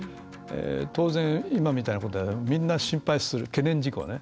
当然、今みたいなことはみんな心配する懸念事項ね。